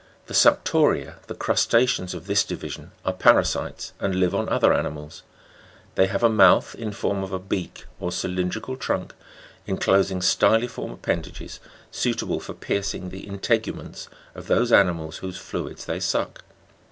18. The Sucto'ria the crusta'ceans of this divi sion are parasites, and live on other animals ; they have a m<Juth in form of a beak or cylindrical trunk, enclosing styliform appendages, suitable for piercing the integuments of those animals whose fluids they suck.